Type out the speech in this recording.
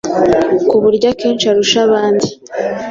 ku buryo akenshi arusha abandi